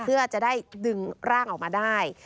เพื่อจะได้ดึงร่างออกมาได้